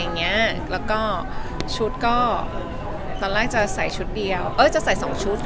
เทอร์ชุดก็ตอนแรกจะใส่ชุดเดียวเออจะใส่๒ชุด